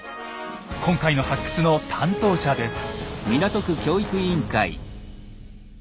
今回の発掘の担当者です。